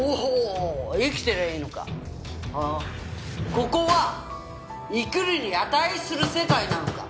ここは生きるに値する世界なのか？